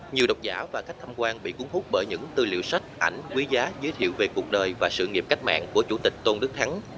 nhiều đọc giả và khách tham quan bị cuốn hút bởi những tư liệu sách ảnh quý giá giới thiệu về cuộc đời và sự nghiệp cách mạng của chủ tịch tôn đức thắng